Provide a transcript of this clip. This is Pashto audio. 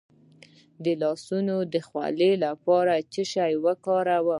د لاسونو د خولې لپاره څه شی وکاروم؟